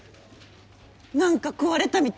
何か壊れたみ